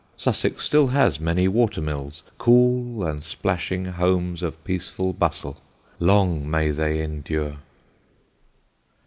Sussex still has many water mills cool and splashing homes of peaceful bustle. Long may they endure.